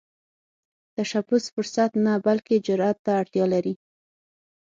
تشبث فرصت نه، بلکې جرئت ته اړتیا لري